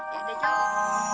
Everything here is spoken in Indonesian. ya ada jalan